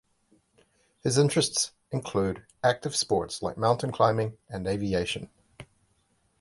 His interests include active sports, like mountain climbing, and aviation.